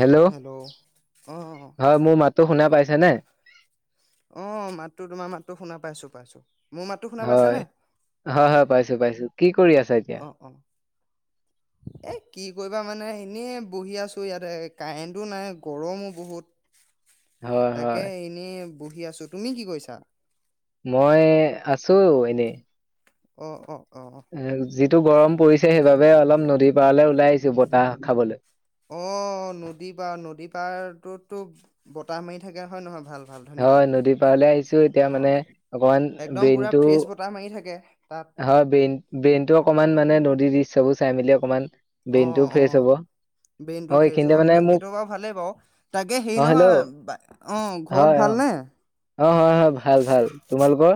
Hello অ হয় মোৰ মাতো শুনা পাইছে নে অ মাতটো তোমাৰ মাতটো শুনা পাইছো পাইছো মোৰ মাতটো শুনা হয় পাইছানে হয় হয় পাইছো পাইছো কি কৰি আছা এতিয়া অ অ এ কি কৰিবা মানে এনেই বহি আছো ইয়াতে কাৰেণ্টো নাই গৰমো বহুত হয় তাকে হয় এনেই বহি আছোঁ তুমি কি কৰিছা? মই আছো এনেই। অ অ অ এ যিটো গৰম পৰিছে সেইবাবে অলপ নদীৰ পাৰলৈ ওলাই আহিছো বতাহ খাবলৈ অ নদী পাৰ নদী পাৰতটোততো বতাহ মাৰি থাকে হয় নহয় ভাল ভাল ধুনীয়াকে হয় নদীৰ পাৰলৈ আহিছো এতিয়া অ মানে অকমান একদম পুৰা ব্ৰেইনটো ফ্ৰেছ বতাহ মাৰি থাকে তাত হয় বেইন ব্ৰেইনটো অকনমান মানে নদীৰ দৃশ্য বোৰ চাই মেলি অকণমান অ অ অ ব্ৰেইনতটো ফ্ৰেছ এইখিনিতে হব মানে সেইটো মোক সেইটো বাৰু ভালেই বাৰু তাকে অ হেৰি নহয় হেল্ল' আহ ঘৰত হয় অ ভালনে আহ অ হয় হয় ভাল ভাল তোমালোকৰ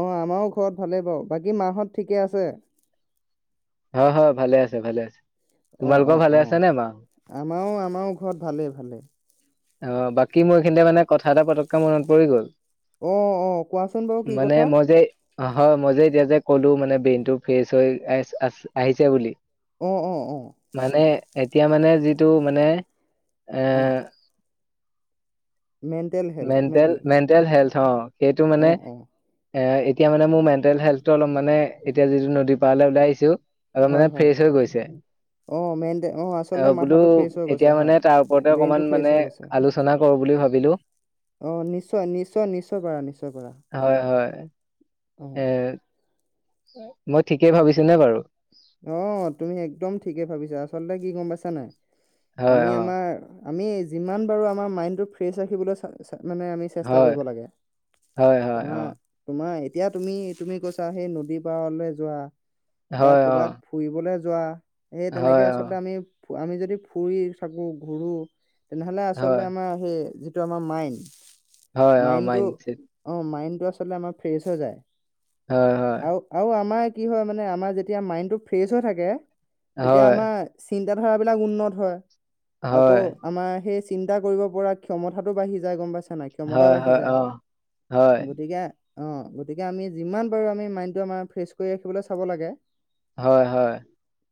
অ আমাৰো ঘৰত ভালেই বাৰু বাকী মা হত ঠিকে আছে অ হয় ভালে আছে ভালে আছে অ তোমালোকৰ অ ভালে অ আছে নে মা? আমাৰো আমাৰো ঘৰত ভালেই ভালেই। অ বাকী মোৰ এইখিনতে মানে কথা এটা পতককে মনত পৰি গ'ল। অ অ অহ কোৱাচোন বাৰু কি কথা। অ হয় মই যে এতিয়া যে ক'লো মানে ব্ৰেইনতটো ফ্ৰেছ হৈ আহ‌ আছ আহিছে বুলি। উ উ উ। মানে এতিয়া মানে যিটো মানে। এ। অ', মেণ্টেল হেল্থ নে মেন্টেল কি? Mental health. ছ। সেইটো মানে। অ', অ', এ এতিয়া মানে মোৰ মেণ্টেল হেল্থটো অলপ মানে এতিয়া যিটো নদী পাৰলে ওলাই আহিছো। অলপ হয়, মানে হয়, ফ্ৰেছ হৈ গৈছে অ', মেণ্টে অ', আচলতে আৰু বোলো মাথাটো ফ্ৰেছ হৈ এতিয়া গৈছে হয়। মানে তাৰ ওপৰতে ব্ৰেইনটো অকমান ফ্ৰেছ মানে। হৈ গৈছে। আলোচনা কৰো বুলি ভাব। বিলো। অ নিশ্চয়, নিশ্চয়, নিশ্চয় পাৰা, নিশ্চয় পাৰা হয় হয় অ। এ মই ঠিকেই ভাবিছো নে বাৰু? অ তুমি একদম ঠিকে ভাবিছা আচলতে কি গম পাইছা নাই। হয় আমি অ আমাৰ। আমি যিমান পাৰো আমাৰ মাইণ্ডটো ফ্ৰেছ ৰাখিবলৈ চা চা। তাত মানে আমি চেষ্টা হয় কৰিব লাগে হয় হয় তোমাৰ অ তোমাৰ। এতিয়া তুমি তুমি কৈছা, সেই নদী পাৰলৈ যোৱা। বা হয়। অ, কৰবাত ফুৰিবলে। যোৱা। সেই তেনেকে হয় অ, আচলতে আমি। আমি যদি ফূৰি থাকো ঘূৰো। তেনেহ'লে আচলতে হয়, আমাৰ সেই। এইটো আমাৰ মাইণ্ড। হয় অ মাইণ্ডছেট। এইটো আচলতে আমাৰ ফ্ৰেছ হৈ যায়। হয়, হয়, আৰু আৰু আমাৰ। কি হয় মানে আমাৰ যেতিয়া। তেতিয়া মাইণ্ডটো ফ্ৰেছ হৈ থাকে। তেতিয়া হয়, আমাৰ চিন্তা। এতিয়া ধাৰাবিলাক উন্নত হয়। আকৌ হয়, আমাৰ সেই চিন্তা কৰিব পৰা ক্ষমতাটো বাঢ়ি যায়, গম পাইছা? ক্ষমতা হয়, বাঢ়ি হয় যায়। অ, হয়, গতিকে অ'! গতিকে আমি, যিমান পাৰোঁ আমি মাইণ্ডটো আমাৰ ফ্ৰেছ কৰি ৰাখিবলৈ চাব লাগে। হয় হয়।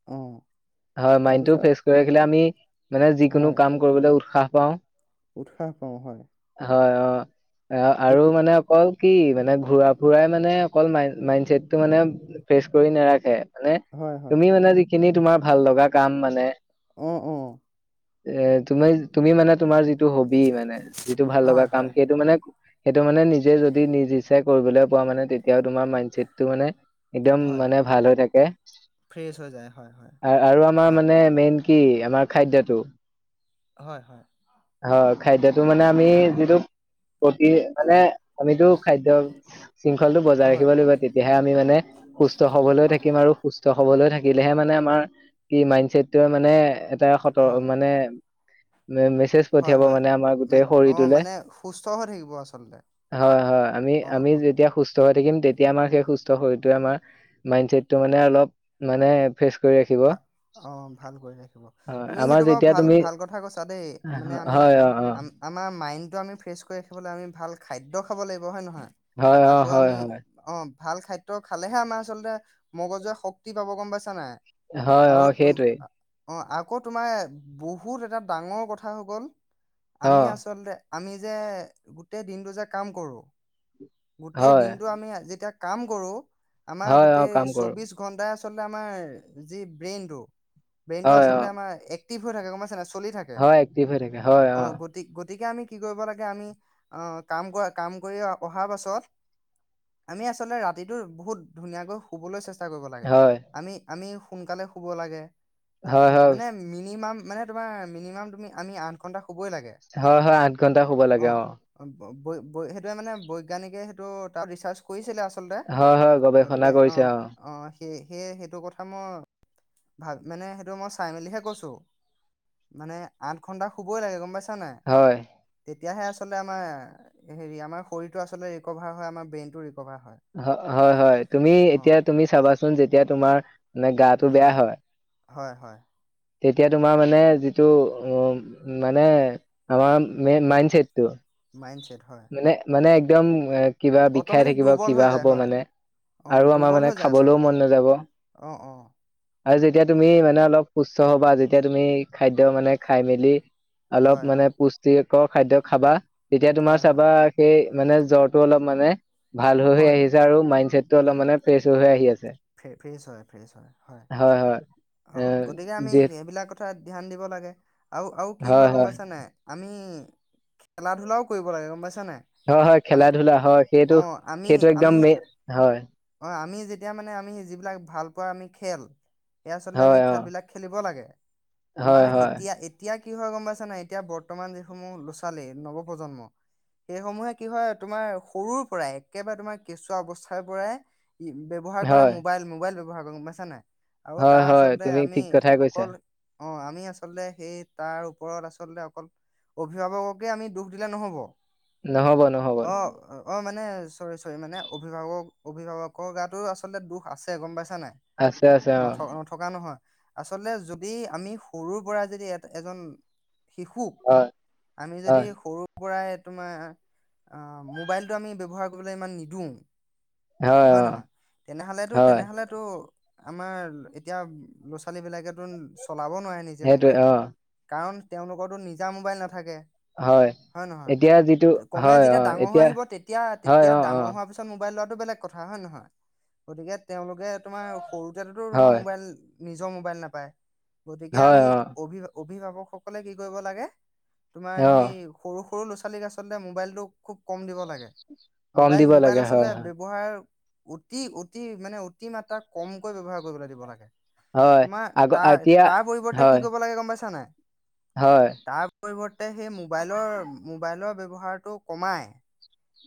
অ হয়, মাইণ্ডটো তাৰপিছত ফ্ৰেচ কৰি ৰাখিলে আমি মানে যিকোনো হয় কাম কৰিবলৈ উৎসাহ পাওঁ। উৎসাহ পাওঁ হয়। হয়। অ'! অ'! আৰু এতিয়া মানে অকল কি মানে, ঘূৰা ফুৰাই মানে, অকল মাইণ্ড মাইণ্ডছেটটো মানে ফ্ৰেছ কৰি নাৰাখে। মানে, হয় হয় তুমি মানে আজি সেই খিনি, তোমাৰ ভাল লগা কাম মানে! অ অ অ'! তুমি, তুমি মানে তোমাৰ যিটো হবী মানে, যিটো ভাল লগা হয় কাম হয় সেইটো মানে সেইটো মানে, নিজে যদি নিজ ইচ্ছা কৰিবলৈ পোৱা মানে, তেতিয়াও তোমাৰ মাইণ্ডছেটটো মানে একদম হয় মানে ভাল হৈ থাকে। [unintelligible] ফ্ৰেছ হৈ যায় হয় হয় আৰু আমাৰ অ মানে, ব্ৰেইন কি আমাৰ খাদ্যটো? হয়, হয়। অ'! খাদ্যত যিটো মানে, আমি যিটো প্ৰতি মানে, আমিতো খাদ্য শৃংখলটো বজাই হয় ৰাখিব লাগিব। তেতিয়াহে আমি মানে, সুস্থ সবল হয় থাকিম আৰু সুস্থ হবলৈ থাকিলেহে মানে আমাৰ, কি মাইণ্ড ছেটটোৱে মানে হয় [unintelligible] মানে মেছেজ হয় পঠিয়াব হয় মানে আমাৰ মান অ শৰীৰটোলে, মানে সুস্থ হৈ থাকিব আচলতে হয়, হয়। আমি অ আমি অ যেতিয়া সুস্থ সুস্থ হৈ থাকিম। তেতিয়া আমাৰ সেই সুস্থ শৰীৰটোৱে আমাৰ মাইণ্ডচছেটটো মানে অলপ মানে ফ্ৰেছ কৰি ৰাখিব। অ'! ভাল কৰি ৰাখিব। হয় তুমি আমাৰ সেইটো বাৰু যেতিয়া ভাল তুমি ভাল কথা কৈছা দেই মানে আমি হয় অ অ আমাৰ মাইণ্ডটো আমি ফ্ৰেছ কৰি ৰাখিবলৈ আমি ভাল খাদ্য খাব লাগিব। হয়! নহয়? হয়, আকৌ অ'! হয়, আমি হয়। অ ভাল খাদ্য খালেহে আমাৰ আচলতে মগজুৱে শক্তি পাব গম পাইছা নাই! হয় হয় সেইটোৱে অঁ আকৌ তোমাৰ বহুত এটা ডাঙৰ কথা হৈ গ'ল অ আমি আচলতে আমি যে গোটেই দিনটো যে কাম কৰো গোটেই হয় দিনটো আমি যেতিয়া কাম কৰোঁ আমাৰ হয় অ কাম গোটেই কৰো চৌবিশ ঘণ্টাাই আ আচলতে আমাৰ যি ব্ৰেইনটো ব্ৰেইনটো আচলতে আমাৰ এক ভ হৈ থাকে গম পইচা নাই চলি থাকে হয় একটিভ হয় থাকে অ গতি গতিকে আমি কি কৰিব লাগে আমি আহ কাম কৰা কাম কৰি অহাৰ পাছত আমি আচলতে ৰাতিটো বহুত ধুনীয়াকৈ শুবলৈ চেষ্টা কৰিব লাগে হয় আমি আমি সোনকালে শুব লাগে হয় তাৰপিছত হয় মানে মিনিমাম মানে তোমাৰ মিনিমাম তুমি আমি আঠ ঘণ্টা হয় হয় আঠ ঘন্টা শুব লাগে অ বৈ বৈ সেইটোৱে মানে বৈজ্ঞানিকে সেইটো তাত ৰিচাৰ্চ কৰিছিলে আ হয় হয় গৱেষণা কৰিছে অঁ সেয়ে সেয়ে সেইটো কথা সময় ভাব মানে সেইটো মই চাই মেলিহে কৈছো মানে আঠ ঘন্টা শুবই লাগে গম পাইছা নাই হয় তেতিয়াহে আচলতে আমাৰ হেৰি আমাৰ শৰীৰটো আচলতে ৰিকভাৰ হয় আমাৰ ব্ৰেইনটো ৰিকভাৰ হয়। হয় হয় তুমি এতিয়া অ' তুমি চাবাচোন যেতিয়া তোমাৰ মানে গাটো বেয়া হয় হয় হয় তেতিয়া তোমাৰ মানে যিটো উ মানে আমাৰ মাইণ্ডছেট মাইণ্ডছেট হয়। মানে মানে দম কিবা বিষাই অট'মেটিক থাকিব দুৰ্বল হৈ কিবা হ'ব যায় হয়। মানে অ' আৰু আমাৰ দুৰ্বল মানে হৈ যায় খাবলৈও আচলতে মন নাযাব অ' অ' আৰু যেতিয়া তুমি মানে অলপ সু্স্থ হবা যেতিয়া তুমি খাদ্য মানে খাই মেলি অলপ হয়, মানে পুষ্ট যিকৰ খাদ্য খাবা তেতিয়া তোমাৰ হয়, চাবা হয়, সেই মানে জ্বৰটো অলপ মানে ভাল হৈ হৈ হয়, আহিছে আৰু মাইন্ডছেটটো অলপ হয়। মানে ফ্ৰেছ হৈ হৈ আহি আছে, ফ্ৰে- ফ্ৰেছ হয়, ফ্ৰেছ হয়, হয়, হয়, এ অ' গতিকে আমি যি সেইবিলাকত ধ্যান দিব লাগে আৰু, আৰু কি হয় গম পাইছা নাই আমি খেলা-ধূলাও কৰিব লাগে গম পাইছা নাই। হয়, হয়, আমি খেলা-ধূলা হয় সেইটো অ' আমি সেইটো একদম আমি মে হয় অ আমি যেতিয়া মানে, আমি যিবিলাক ভাল পোৱা আমি খেল এইয়া আচলতে আমি হয় অ খেলবিলাক খেলিব লাগে। হয় তোমাৰ হয় এতিয়া-এতিয়া কি হয় গম পাইছা নাই, এতিয়া বৰ্তমান যিসমূহ ল'ৰা-ছোৱালী নৱ প্ৰজন্ম, সেই সমূহ কি হয় তোমাৰ সৰুৰ পৰাই একেবাৰে তোমাৰ কেঁচুৱা অৱস্থাৰ পৰাই ই ব্যৱহাৰ কৰা হয় মোবাইল, মোবাইল হাগৰ গম পছা নাই? আৰু হয়, তাৰ হয়, তুমি ঠিক কথাই কৈছা। অঁ আমি আচলতে সেই তাৰ ওপৰত আচলতে অকল অভিভাৱককে আমি দোষ দিলে নহ'ব। নহ'ব, নহ'ব চ চৰি মানে অভিভাৱক অভিভাৱকৰ গাতো আচলতে দোষ আছে গম পাইছ নাই, আছে আছে ন অ নথকা নহয়। আচলতে যদি আমি সৰুৰ পৰা যদি এ এজন শিশুক, আমি যদি হয় সৰু কৰাই তোমাৰ, আ মোবাইলটো আমি ব্যৱহাৰ কৰিবলৈ ইমান নিদিওঁ হয় নহয়? তেনেহলেতো, হয় তেনেহলেতো আমাৰ এতিয়া ল'ৰা-ছোৱালী বিলাকেতো চলাব নোৱাৰে নিজে সেইটোৱে মোবাইল অ কাৰণ তেওঁলোকৰতো নিজা মোবাইল নাথাকে হয়, এতিয়া যিটো, হয়, হয়, এতিয়া হয় এতিয়া অ অ ডাঙৰ হোৱাৰ পিছত মবাইল লো বেলেগ কথা হয় নহয়? গতিকে তেওঁলোকে তোমাৰ সৰুতেতো তোমাৰ হয় মোবাইল নিজৰ মোবাইল নাপায়। গতিকে হয় আমি অ অভি অভিভাৱকসকলে কি কৰিব লাগে? তোমাৰ অ সেই সৰু সৰু ল' ছোৱালীক আচলতে মোবাইলটো খুব কম দিব লাগে। কম মোবাইল, দিব মোবাইল লাগে আচলতে হয় হয় ব্যৱহাৰ অতি, অতি মানে অতি মাত্ৰাত কমকৈ ব্যৱহাৰ কৰিবলৈ দিব লাগে। হয় তোমাৰ আগ তাৰ এতিয়া তাৰ পৰিৱৰ্তে হয় কি কৰিব লাগে গম পাইছা নাই। হয় তাৰ পৰিৱৰ্তে সেই মোবাইলৰ, মোবাইলৰ বয় ব্যৱহাৰটো কমাই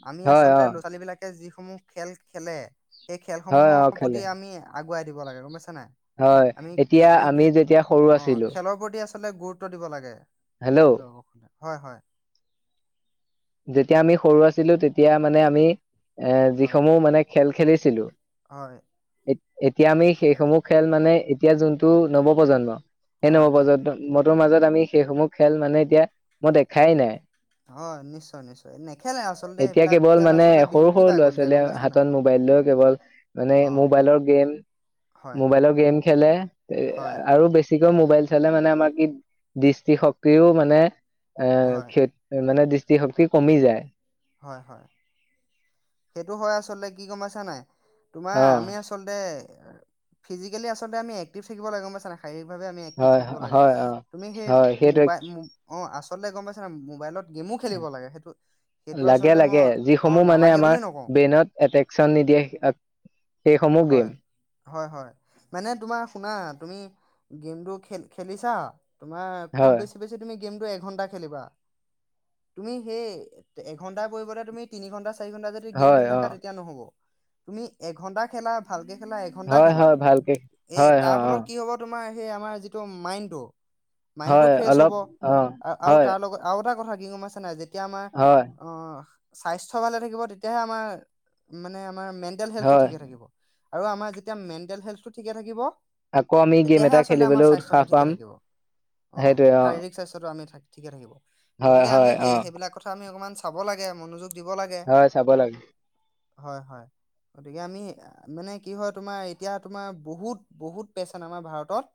আমি হয় আছ অ [unintelligible] যিসমূহ খেল খেলে এই হয় অ খেলসমূহৰ খেলে প্ৰতি আমি আগুৱাই দিব‌ লাগে গমপাইছা। হয় এতিয়া আমি যেতিয়া সৰু অ আছিলো। খেলৰ প্ৰতি আচলতে গুৰুত্ব দিব লাগে। আ হেল্ল' খলে [inaudible] হয়, হয়। যেতিয়া আমি সৰু আছিলো তেতিয়া মানে আমি এ হয় যিসমূহ মানে খেল খেলিছিলো হয়। এতিয়া আমি সেইসমূহ খেল মানে এতিয়া যোনটো নৱপ্ৰজন্ম এনে হয় হয় নৱপ্ৰজন্ম ত' মাজত আমি সেইসমূহ খেল মানে এতিয়া মই দেখাই নাই। হয় নিশ্চয় নিশ্চয় নেখেলে আচলতে এতিয়া সেইবিলাক কেৱল খেল মানে আচলতে সৰু বিলুপ্তি সৰু পাই ল'ৰা গ'ল এতিয়া গম ছোৱালীয়ে পাইছা নাই হাতত মোবাইল লৈ কেৱল মানে অ মোবাইলৰ গেম হয় মোবাইলৰ গেম খেলে এ হয় আৰু বেছি বেছিকৈ মোবাইল চালে মানে আমাৰ কি দৃষ্টিশক্তিও মানে এ, হয় খ মানে দি যি শক্তি কমি যায়। হয়, হয় সেইটো হয় আচলতে কি গম পাইছা নাই তোমাৰ অ আমি আচলতে ফিজিকেলি আচলতে আমি এক্টিভ থাকিব লাগে গম পাইছানে? শাৰীৰিক ভাৱে আমি এক্টিভ হয় থাকিব লাগে হয় অ তুমি সেই হয় মো সেইটোৱে বাই মো আছোঁ। গম নাই পাইছা মোবাইলত গেমো খেলিব লাগে। সেইটো সেইটো আচলতে মই লাগে-লাগে অ যিসমূহ মানে নালাগে বুলি আমাৰ নকওঁ ব্ৰেইনত এট্ৰেকচন নিদিয়ে সেইসমূহ গেম হয়-হয় মানে তোমাৰ শুনা তুমি গেমটো খেল খেলিছা তোমাৰ খুব হয় বেছি-বেছি তুমি, গেমটো এঘন্টা খেলিবা তুমি সেই এঘণ্টাৰ পৰিবৰ্তে তুমি তিনি ঘণ্টা চাৰি ঘণ্টা যদি গেম হয় খেল অ থকা তেতিয়া নহ'ব। তুমি এঘন্টা খেলা ভালকে খেলা এঘন্টা হয় খেলা হয় ভালকে এই হয় তাৰ হয় অ ফলত কি হব, তোমাৰ সেই আমাৰ যিটো মাইণ্ডটো। মাইণ্ডটো হয় ফ্ৰেছ অলপ হ'ব অ আৰু হয় তাৰ লগত আৰু এটা কথা কি গম পাইছা নে আজি। হয়। স্বাস্থ্য ভালে থাকিব তেতিয়াহে আমাৰ মানে মেনটেল হেল্থ টো হয় ঠিকে থাকিব। আৰু আমাৰ যেতিয়া মেণ্টেল হেল্থ টো ঠিকে থাকিব। আকৌ আমি গেম তেতিয়াহে এটা আচলতে আমাৰ খেলিবলৈ উৎসাহ স্বাস্থ্যটো ঠিকে পাম থাকিব অ' শাৰীৰিক স্বাস্থ্যটো আমি থাকিব। ঠিকে থাকিব। হয় গতিকে আমি হয় অ সেই সেইবিলাক কথা আমি অকণমান চাব লাগে মনোযোগ হয় চাব লাগে। হয়-হয় গতিকে আমি মানে কি হয় তোমাৰ এতিয়া তোমাৰ বহুত-বহুত পেচেণ্ আমাৰ ভাৰতত।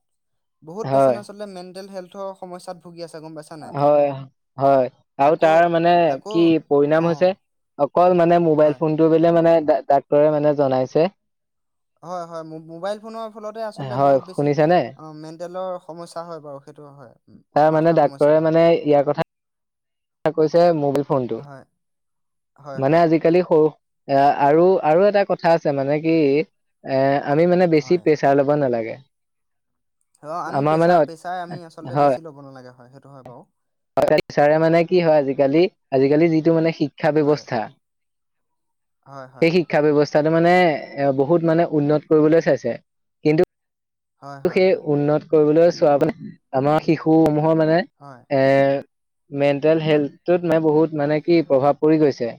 বহুত পেছেন হয় আছলতে মেণ্টেল হেল্থ সমস্যাত ভুগি আছে। গম পাইছা নাই হয়-হয় আৰু আকৌ তাৰ মানে আকৌ কি পৰিণাম অ হৈছে? অকল মানে মোবাইল হয় ফোনটো বোলে মানে ডাক্তৰে মানে জনাইছে, হয়-হয় মোবাইল ফোনৰ ফলতে আচলতে হয় বহুত বেছি শুনিছানে অ মেণ্টেলৰ সমস্যা হয় বাৰু সেইটো হয় তাৰ মানে মাথাৰ সমস্যা। ডাক্তৰে হয় মানে ইয়াৰ কথা কৈছে মোবাইল ফোনটো হয় হয় মানে হয় আজিকালি এ আৰু আৰু এটা কথা আছে মানে কি এ আমি মানে বেছি হয় প্ৰেছাৰ ল'ব নালাগে অ আমি আমাৰ মানে প্ৰেছাৰ অত- প্ৰেছাৰ আমি আচলতে বেছি ল'ব নালাগে হয় সেইটো হয় বাৰু হয় চাৰে মানে কি হয় আজিকালি আজিকালি যিটো মানে শিক্ষা হয় ব্যৱস্থা হয় হয় সেই শিক্ষা ব্যৱস্থা মানে বহুত মানে উন্নত কৰিবলৈ চাইছে, কিন্তু হয় হয় সেই হয় উন্নত কৰিবলৈ [unintelligible] আমাৰ শিশুসমূহ [unintelligible] মানে হয় এ মেণ্টেল হয় হেল্থটোত মানে বহুত মানে কি প্ৰভাৱ পৰি গৈছে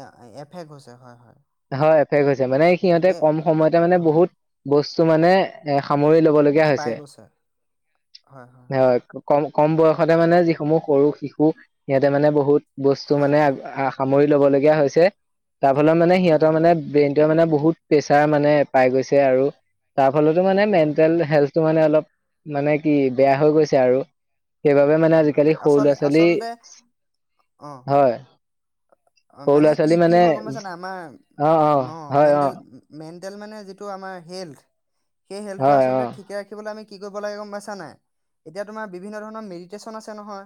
এ এফেক হৈছে হয় হয় হয় এফেক হৈছে মানে সিহঁতে তাকে কম সময়তে মানে হয় বহুত বস্ত মানে সামৰি লব কব লগিয়া পাই হৈছে গৈছে হয় কম কম বয়সতে মানে যিসমূহ সৰু শিশু সিহঁতে মানে বহুত বস্তু হয় মানে হয় সামৰিক ল'ব লগীয়া হৈছে তাৰফলত মানে সিহঁত হয় তই হয় মানে ব্ৰেইন এতিয়া মানে বহুত প্ৰেছাৰ মানে পাই গৈছে আৰু তাৰ ফলতো মানে হয় মেণ্টেল হয় হেল্থটো মানে অলপ মানে কি বেয়া হৈ গৈছে আৰু সেইবাবে মানে হয় হয় আজিকালি সৰু আচল ল'ৰা ছোৱালী আচলতে অ হয় অ সৰু মানে ল'ৰা কি ছোৱালী কি মানে হয় গম পাইছা নাই আমাৰ অ ন মেনডেল মেন- তেল মানে যিটো আমাৰ হেল্থ সেই হেল্থটো হয় অ আচলতে ঠিকে ৰাখিবলৈ আমি কি কৰিব লাগে গম পাইছা নে নাই? এতিয়া তোমাৰ বিভিন্ন ধৰণৰ মেৰিত ষ্টেচন আছে নহয়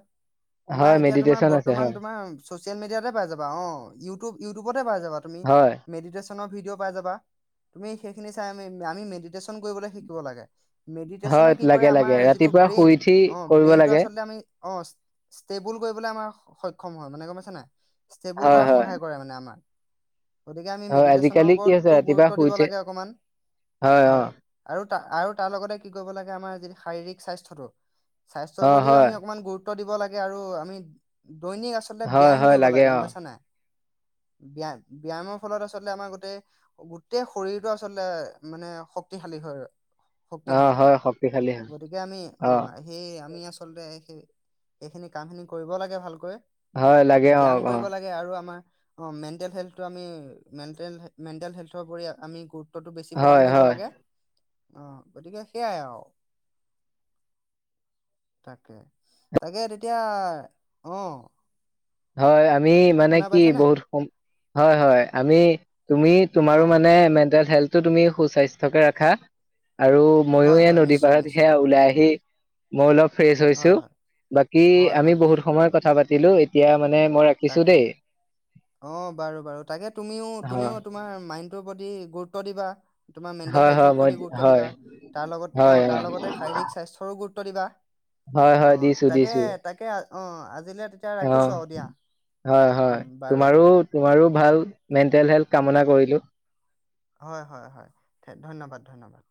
তোমাৰ হয় এতিয়া তোমাৰ মেডিটেশ্যন আছে বৰ্তমান হয় তোমাৰ ছ'চিয়েল মিডিয়াতে পাই যাব অ ইউটোউ ইউটোবত তাতে পাই যাবা তুমি হয় মেডিটৈচ ফোন ভিডিঅ' পাইযাবা তুমি সেইখিনি চাই আমি আমি মেডিটেচন কৰিব শিকিব লাগে মেডিটেচনে হয় কি কৰে লাগে আমাৰ লাগে যিটো ৰাতিপুৱা ব্ৰেইন শুই উঠি অ কৰিব ব্ৰেইন এইটো লাগে আচলতে আমি অ ষ্টেবুল কৰিবলৈ আমাৰ সক্ষম হয় মানে গম পাইছেনে নাই ষ্টেবুল হয় কৰাত হয় সহায় কৰে মানে আমাৰ গতিকে আমি হয় মেডিটেশ্যনৰ আজিকালি কি হৈছে ওপৰতো ৰাতিপুৱা গুৰুত্ব শুই দিব উঠি লাগে অকমান হয় আৰু আৰু তাৰ লগতে কি কৰিব লাগে আমাৰ যিটো শাৰীৰিক স্বাস্থ্যটো অ প্ৰতিও হয় আমি অকণমান গুৰুত্ব দিব লাগে আৰু আমি দৈনিক আচলতে হয় ব্যায়াম হয় কৰিব লাগে অ গম পাইছা নাই ব্যয়াম ব্যায়ামৰ ফলত আচলতে আমাৰ গোটেই গোটেই শৰীৰটো আচলতে মানে শক্তিশালী হয় অ শক্তিশালী হয় শক্তিশালী হয় গতিকে আমি অ আহ সেই আমি আচলতে সেই এইখিনি কাম খিনি কৰিব লাগে ভালকৈ হয় লাগে অ ব্যায়াম অ কৰিব লাগে আৰু আমাৰ অ মেণ্টেল হেল্থটো আমি মেণ্টেল মেণ্টেল হেল্থৰও আমি গুৰুত টো বেছি প্ৰদান হয় কৰিব হয় লাগে আহ গতিকে সেইয়াই আৰু তাকে তাকে তেতিয়া আহ হয় আমি মানে কি বহুত হয় হয় আমি তুমি অ তোমাৰো অ মানে মেণ্টেল হেল তুমি সুস্বাস্থ্য কে ৰাখা আৰু ময়ো হয় এ হয় নদী নিশ্চয় পাৰত নিশ্চয় সেয়া ওলাই আহি মৌলক ফ্ৰেছ হৈছো হয় হয় বাকী হয় আমি হয় বহুত সময় কথা পাতি লো এতিয়া মানে মই ৰাখিছো তাকে দেই অ বাৰু বাৰু তাকে তুমিও তুমিও হয় তোমাৰ মাইণ্ডটোৰ প্ৰতি গুৰুত্ব দিবা তোমাৰ মেণ্টেল হয় হয় হেলথৰ মই প্ৰতি গুৰুত্ব হয় দিবা তাৰ লগত অ', তাৰ লগতে শাৰীক স্বাস্থ্যৰো গুৰুত্ব ত দিবা হয়, অ হয়, দিছো তাকে দিছো।। তাকে অ আজিলে তেতিয়া অ ৰাখিছোঁ আৰু দিয়া। হয়, হয়, উম বাৰু তোমাৰো, বাৰু তোমাৰো ভাল মেণ্টেল হেলথ কামনা কৰিলো। হয়, হয়, হয়, ধন্যবাদ ধন্যবাদ।